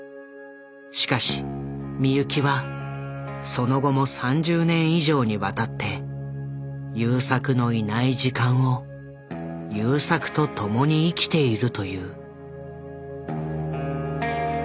しかし美由紀はその後も３０年以上にわたって優作のいない時間を優作と共に生きているという。